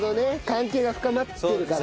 関係が深まってるから。